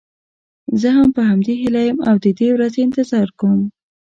زه هم په همدې هیله یم او د دې ورځې انتظار کوم.